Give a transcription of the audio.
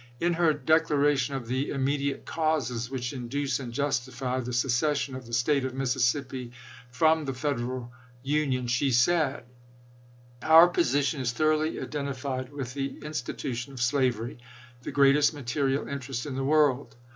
In her "Declaration of the Immediate Causes which Induce and Justify the Secession of the State of Mississippi from the Federal Union," she said : Our position is thoroughly identified with the insti tution of slavery — the greatest material interest in the world.